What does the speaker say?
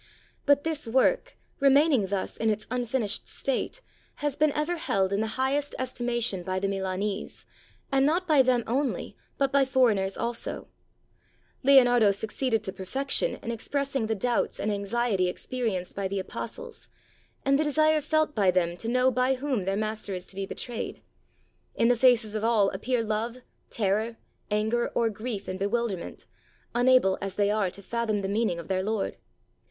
But this work, remaining thus in its unfinished state, has been ever held in the highest esti mation by the Milanese, and not by them only, but by foreigners also: Leonardo succeeded to perfection in expressing the doubts and anxiety experienced by the Apostles, and the desire felt by them to know by whom their Master is to be betrayed; in the faces of all appear love, terror, anger, or grief and bewilderment, unable as they are to fathom the meaning of their Lord.